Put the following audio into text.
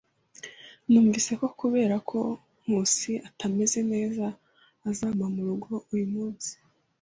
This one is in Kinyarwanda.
Numvise ko kubera ko Nkusi atameze neza azaguma murugo uyu munsi.